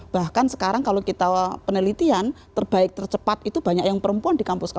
bahkan sekarang kalau kita penelitian terbaik tercepat itu banyak yang perempuan di kampus